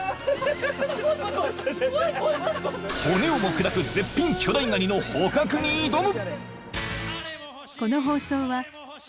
［骨をも砕く絶品巨大ガニの捕獲に挑む］